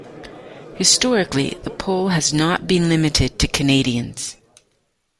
Historically, the poll has not been limited to Canadians.